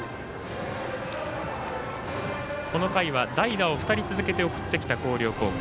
この回は代打を２人続けて送ってきた広陵高校。